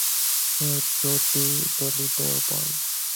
হেই, Toledo বয়।